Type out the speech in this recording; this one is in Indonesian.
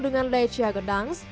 dengan lesia gdansk